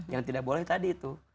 yang tidak boleh tadi itu